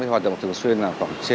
hoạt động thường xuyên là